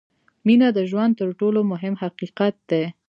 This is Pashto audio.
• مینه د ژوند تر ټولو مهم حقیقت دی.